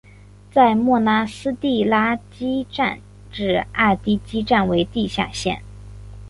在莫纳斯蒂拉基站至阿蒂基站为地下线。